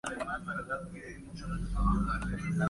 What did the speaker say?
Mamoru tiene su propio apartamento, en el que vive solo.